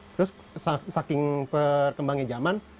terus saking perkembangnya zaman